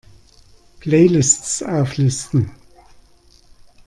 Playlists auflisten!